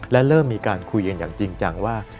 และเริ่มมีการคุยกันอย่างจริงจังว่า